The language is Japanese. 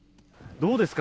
どうですか？